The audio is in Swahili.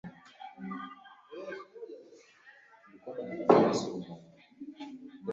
Los Angeles na Chicago Marekani ni nchi iliyoendelea na yenye